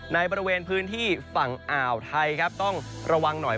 ในบริเวณพื้นที่ฝั่งอ่าวไทยครับต้องระวังหน่อย